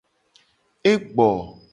E gbo.